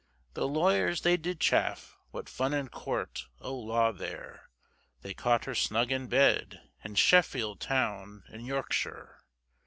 The lawyers they did chaff, What fun in court, oh law there They caught her snug in bed, In Sheffield town, in Yorkshire.